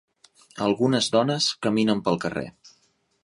Algunes dones caminen pel carrer.